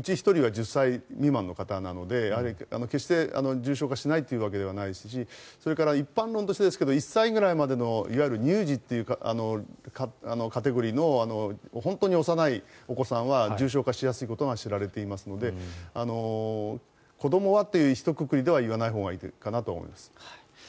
１人は１０歳未満の方なので決して重症化しないというわけではないですしそれから一般論としてですが１歳ぐらいまでのいわゆる乳児というカテゴリーの本当に幼いお子さんは重症化しやすいことが知られていますので子どもはというひとくくりでは言わないほうがいいかなと思います。